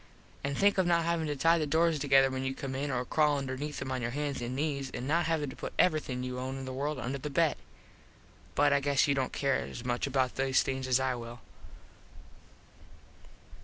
An think of not havin to tie the doors together when you come in or crawl underneath em on your hans and nees and not havin to put everything you own in the world under the bed. But I guess you dont care as much about these things as I will.